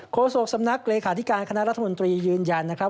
โศกสำนักเลขาธิการคณะรัฐมนตรียืนยันนะครับ